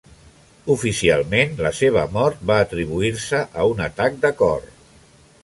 Oficialment, la seva mort va atribuir-se a un atac de cor.